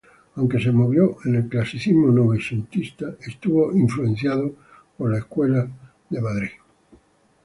Aunque se movió en el clasicismo novecentista, estuvo influenciado por la escuela de Chicago.